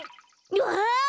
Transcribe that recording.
わあ！